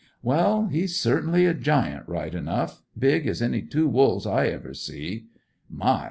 "Well, he's certainly a giant right enough; big as any two wolves I ever see. My!